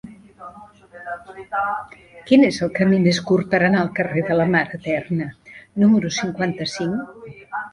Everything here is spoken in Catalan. Quin és el camí més curt per anar al carrer de la Mare Eterna número cinquanta-cinc?